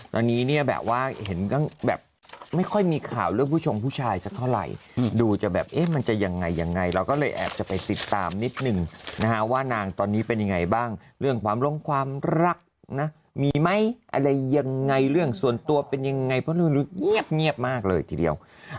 ตอนนี้เนี่ยแบบว่าเห็นก็แบบไม่ค่อยมีข่าวเรื่องผู้ชงผู้ชายสักเท่าไหร่ดูจะแบบเอ๊ะมันจะยังไงยังไงเราก็เลยแอบจะไปติดตามนิดนึงนะฮะว่านางตอนนี้เป็นยังไงบ้างเรื่องความลงความรักนะมีไหมอะไรยังไงเรื่องส่วนตัวเป็นยังไงเพราะรู้สึกเงียบมากเลยทีเดียว